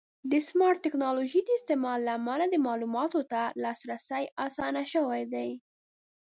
د سمارټ ټکنالوژۍ د استعمال له امله د معلوماتو ته لاسرسی اسانه شوی دی.